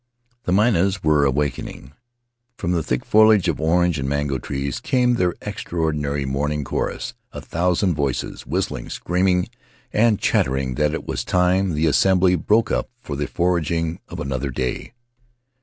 The mynahs were awakening; from the thick foliage of orange and mango trees came their extraordinary morning chorus — a thousand voices, whistling, screaming, and chattering that it was time the assembly broke up for the foraging of another day.